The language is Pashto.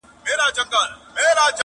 نوي نوي غزل راوړه د ژوندون له رنګینیو,